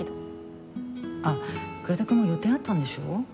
ああ倉田くんも予定あったんでしょ？